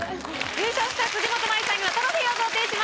優勝した辻元舞さんにはトロフィーを贈呈します。